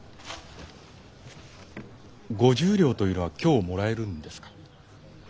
５０両というのは今日もらえるんですか？